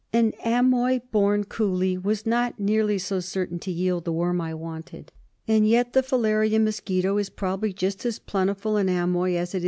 An Amoy born Coolie was not nearly so certain to yield the worm I wanted. And yet the filaria mosquito is probably just as plentiful in Amoy as it.